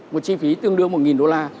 một chi phí tương đương một đô la